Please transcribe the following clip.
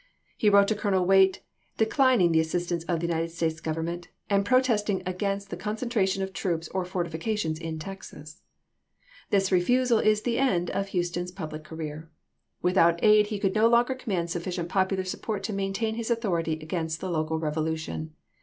He wrote to Colonel Waite declin ing the assistance of the United States Govern Houston ment, and protesting against the concentration of Mar. iMsoi. ,. W. R. Vol troops or fortifications in Texas. This refusal is i", p 551. ' the end of Houston's public career. Without aid he could no longer command sufficient popular support to maintain his authority against the local revolution.